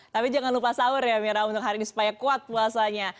tapi jangan lupa sahur ya mira untuk hari ini supaya kuat puasanya